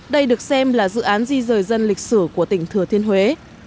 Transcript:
đây được xem là dự án di rời dân lịch sử của tỉnh thừa thiên huế